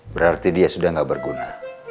berarti dia sudah tidak berguna